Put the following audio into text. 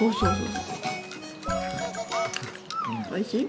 おいしい？